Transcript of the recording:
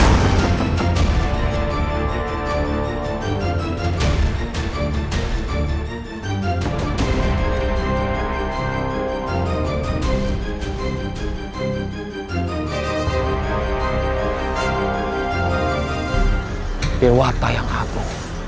itu adalah cahaya dari jurus cakra manggilingan